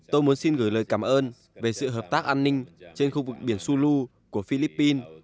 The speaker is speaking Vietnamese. tổng thống indonesia joko widodo đã hoan nghênh sự hợp tác của nước láng giềng philippines trong việc bảo đảm an ninh trên biển sulu